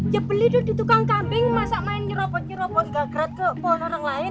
jepeli tuh di tukang kambing masak main nyeropot nyeropot gak geret ke pol orang lain